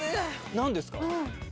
何ですか？